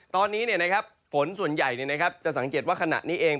ตอนนี้ฝนส่วนใหญ่จะสังเกตว่าขณะนี้เอง